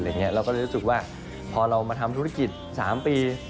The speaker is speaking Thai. เราก็เลยรู้สึกว่าพอเรามาทำธุรกิจ๓ปี